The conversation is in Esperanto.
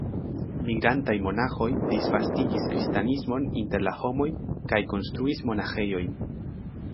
Migrantaj monaĥoj disvastigis kristanismon inter la homoj kaj konstruis monaĥejojn.